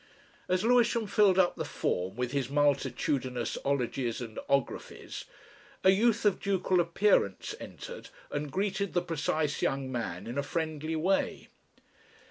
As Lewisham filled up the form with his multitudinous "'ologies" and "'ographies," a youth of ducal appearance entered and greeted the precise young man in a friendly way.